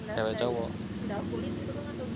cewek cowok gitu ya sandal kulit gitu kan